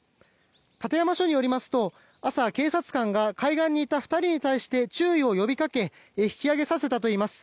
館山署によりますと朝、警察官が海岸にいた２人に対して注意を呼びかけ引き揚げさせたといいます。